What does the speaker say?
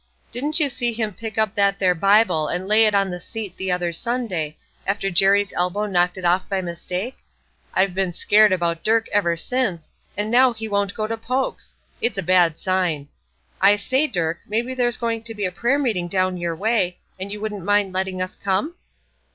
Didn't you see him pick up that there Bible and lay it on the seat the other Sunday, after Jerry's elbow knocked it off by mistake? I've been scared about Dirk ever since; and now he won't go to Poke's! It's a bad sign. I say, Dirk, maybe there's going to be a prayer meeting down your way, and you wouldn't mind letting us come?"